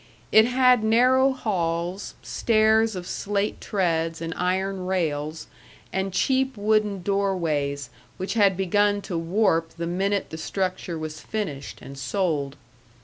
It had narrow halls, stairs of slate treads and iron rails, and cheap wooden doorways which had begun to warp the minute the structure was finished and sold.